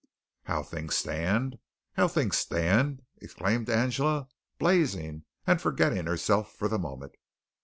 "How things stand! How things stand!" exclaimed Angela, blazing and forgetting herself for the moment.